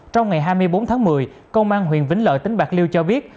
trong ngày hai mươi bốn tháng một mươi công an huyền vĩnh lợi tính bạc liêu cho biết